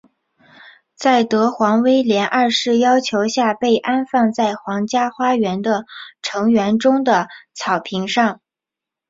在德皇威廉二世要求下被安放在皇家花园的橙园中的草坪上。